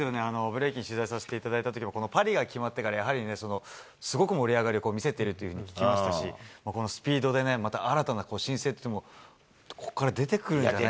ブレイキン取材させていただいたときも、このパリが決まってから、やはりね、すごく盛り上がりを見せてるって聞きましたし、このスピードでね、また新たな新星っていうのも、ここから出てくるって。